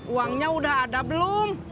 uangnya udah ada belum